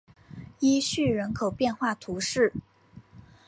伊叙人口变化图示